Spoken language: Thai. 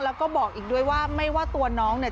แล้วก็บอกอีกด้วยว่าไม่ว่าตัวน้องเนี่ย